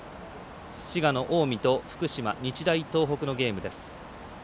滋賀の近江と福島、日大東北のゲームです。